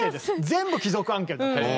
全部貴族案件だったんです。